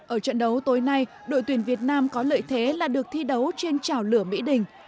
ở trận đấu tối nay đội tuyển việt nam có lợi thế là được thi đấu trên chảo lửa mỹ đình